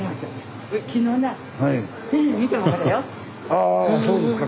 あそうですか。